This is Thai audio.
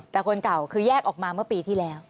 แต่คนเก่าคือแยกออกมาเมื่อปีที่แล้ว